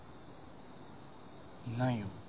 ないよ。